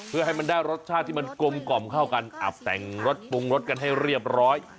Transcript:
เพื่อให้มันได้รสชาติที่มันกลมกล่อมเข้ากันอับแต่งรสปรุงรสกันให้เรียบร้อย